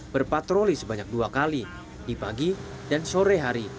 berpatroli sebanyak dua kali di pagi dan sore hari